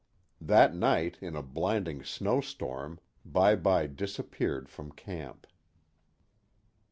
That night, in a blinding snow storm, Bye Bye disappeared from camp.